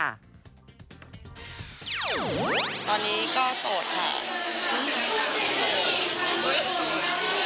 ตอนนี้ก็โสดค่ะ